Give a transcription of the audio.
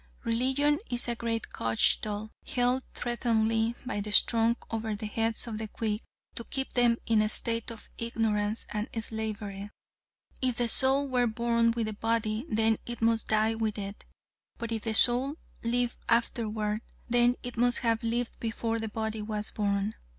Religion is a great cudgel held threateningly by the strong over the heads of the weak to keep them in a state of ignorance and slavery. If the soul were born with the body, then it must die with it; but if the soul live afterward, then it must have lived before the body was born.